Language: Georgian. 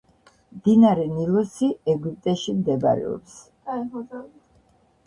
მდინარე ნილოსი ეგვიპტრში მდებარეობს